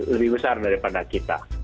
lebih besar daripada kita